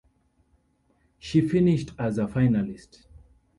She finished as a finalist.